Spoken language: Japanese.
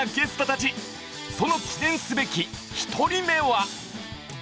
その記念すべき１人目は